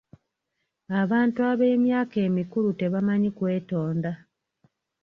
Abantu eb'emyaka emikulu tebamanyi kwetonda.